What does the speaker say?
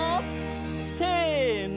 せの！